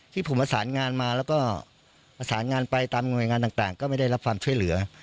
ที่ผมประสานงานมาแล้วก็ประสานงานไปตามหน่วยงานต่างก็ไม่ได้รับความช่วยเหลือ